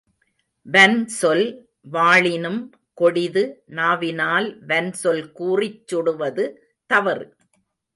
வன்சொல், வாளினும் கொடிது நாவினால் வன் சொல் கூறிச் சுடுவது தவறு.